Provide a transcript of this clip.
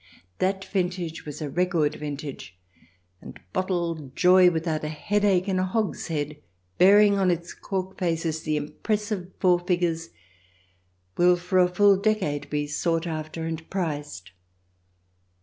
That vintage was a record vintage, and bottled joy, with out a headache in a hogshead, bearing on its cork faces the impressive four figures, will for a full decade be sought after and prized.